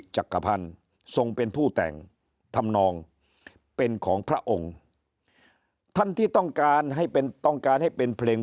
จักรพันธ์ทรงเป็นผู้แต่งทำนองเป็นของพระองค์ท่านที่ต้องการให้เป็นต้องการให้เป็นเพลง